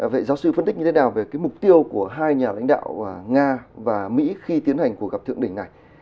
vậy giáo sư phân tích như thế nào về cái mục tiêu của hai nhà lãnh đạo nga và mỹ khi tiến hành cuộc gặp thượng đỉnh này